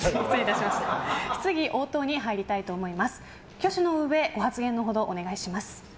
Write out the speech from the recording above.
挙手のうえ、ご発言のほどお願いいたします。